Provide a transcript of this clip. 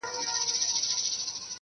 • چي اصل تصویر پټ وي -